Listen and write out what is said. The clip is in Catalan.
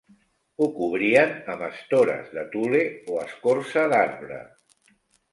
Ho cobrien amb estores de "tule" o escorça d'arbre.